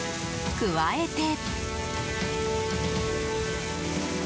加えて。